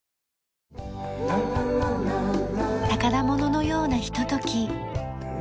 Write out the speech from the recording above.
宝物のようなひととき。